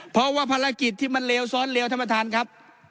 เพราะว่าภารกิจที่มันเลวซ้อนเลวท่านประธานครับ